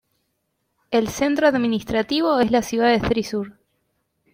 El centro administrativo es la ciudad de Thrissur.